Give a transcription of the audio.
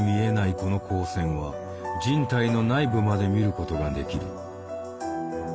この光線は人体の内部まで見ることができる。